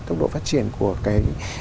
tốc độ phát triển của cái